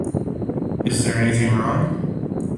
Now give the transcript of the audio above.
Is there anything wrong?